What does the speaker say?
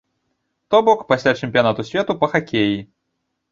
То бок, пасля чэмпіянату свету па хакеі.